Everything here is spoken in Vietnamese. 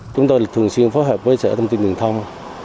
chúng tôi thường xuyên phối hợp với sở thông tin truyền thông